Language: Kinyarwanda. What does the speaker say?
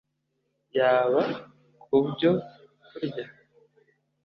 yaba ku byo kurya